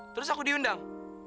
terus aku diundang